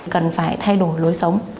cần phải thay đổi lối sống